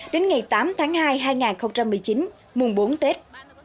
đến ngày tám tháng hai hai nghìn một mươi chín mùng bốn tết